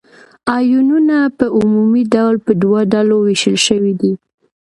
آیونونه په عمومي ډول په دوه ډلو ویشل شوي دي.